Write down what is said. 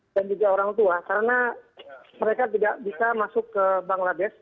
dan juga orang tua karena mereka tidak bisa masuk ke bangladesh